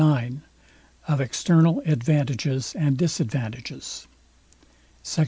IX OF EXTERNAL ADVANTAGES AND DISADVANTAGES SECT.